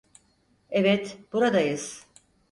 Evet, buradayız.